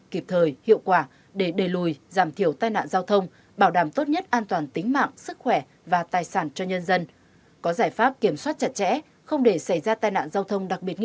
kết quả đây dương tính còn tất cả các loại khác anh không dương tính